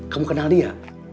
kamu kenal dia